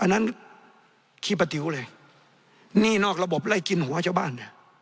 นี่นอกระบบไล่กินหัวชาวบ้าน